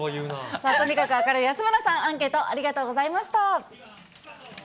さあ、とにかく明るい安村さん、アンケートありがとうございました。